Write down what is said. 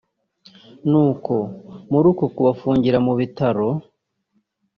ni uko muri uku kubafungira mu bitaro